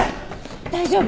大丈夫！？